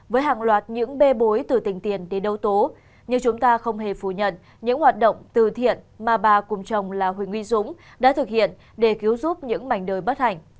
với hàng loạt những bê bối từ tình tiền đến đấu tố nhưng chúng ta không hề phủ nhận những hoạt động từ thiện mà bà cùng chồng là huỳnh uy dũng đã thực hiện để cứu giúp những mảnh đời bất hạnh